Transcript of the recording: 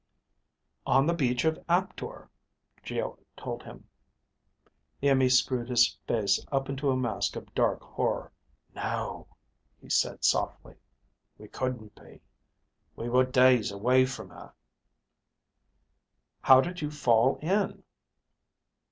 "On the beach of Aptor," Geo told him. Iimmi screwed his face up into a mask of dark horror. "No," he said softly. "We couldn't be. We were days away from her...." "How did you fall in?"